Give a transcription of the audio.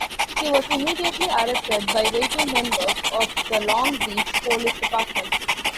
He was immediately arrested by waiting members of the Long Beach Police Department.